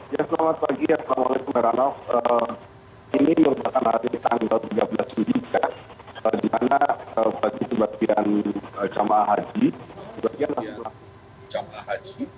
ya selamat pagi assalamualaikum rano ini yang pertama hari tanggal tiga belas juli di mana bagi sebagian jemaah haji